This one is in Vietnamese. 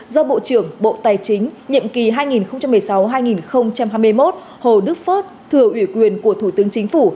do bộ trưởng bộ tài chính nhiệm kỳ hai nghìn một mươi sáu hai nghìn hai mươi một hồ đức phớt thừa ủy quyền của thủ tướng chính phủ